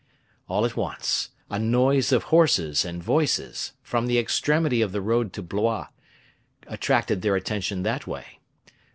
All at once a noise of horses and voices, from the extremity of the road to Blois, attracted their attention that way.